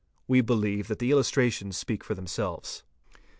We believe that the illustrations speak for themselves.